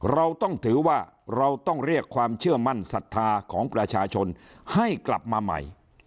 เราต้องถือว่าเราต้องเรียกความเชื่อมั่นศรัทธาของประชาชนให้กลับมาใหม่